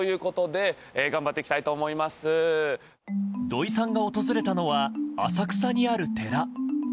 土井さんが訪れたのは浅草にある寺。